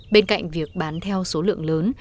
bên cạnh việc bán theo số lượng lớn